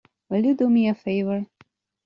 Will you do me a favour?